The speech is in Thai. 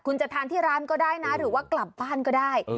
คุณจะทานที่ร้านก็ได้นะหรือว่ากลับบ้านก็ได้